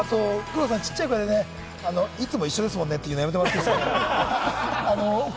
あと黒田さん、ちっちゃい声で、いつも一緒ですもんねって言うのやめてもらっていいですか。